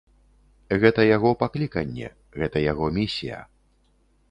Гэта яго пакліканне, гэта яго місія.